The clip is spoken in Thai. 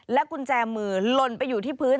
กุญแจมือหล่นไปอยู่ที่พื้น